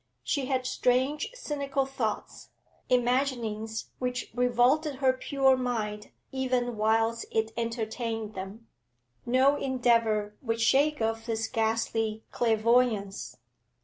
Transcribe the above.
She had strange, cynical thoughts, imaginings which revolted her pure mind even whilst it entertained them. No endeavour would shake off this ghastly clairvoyance.